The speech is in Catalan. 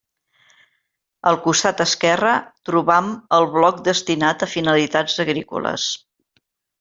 Al costat esquerre, trobam el bloc destinat a finalitats agrícoles.